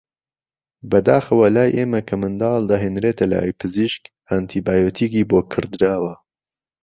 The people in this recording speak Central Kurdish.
بەداخەوە لای ئێمە کە منداڵ دەهێنرێتە لای پزیشک ئەنتی بایۆتیکی بۆ کڕدراوە